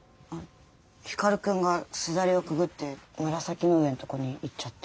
光くんが簾をくぐって紫の上んとこに行っちゃって。